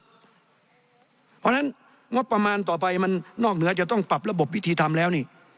เพราะฉะนั้นงบประมาณต่อไปมันนอกเหนือจะต้องปรับระบบวิธีทำแล้วนี่